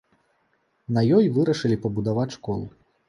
На ёй вырашылі пабудаваць школу.